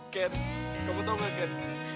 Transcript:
ken kamu tau gak ken